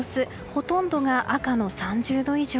ほとんどが赤の３０度以上。